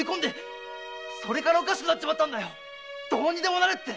それからおかしくなっちまったどうにでもなれって！